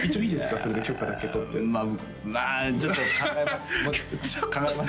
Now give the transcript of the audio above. それで許可だけ取ってまあちょっと考えます考えます